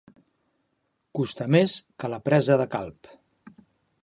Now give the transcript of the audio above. Costar més que la presa de Calp.